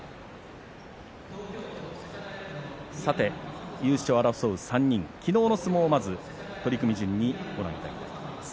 さて優勝を争う３人昨日の相撲を、まず取組順にご覧いただきたいと思います。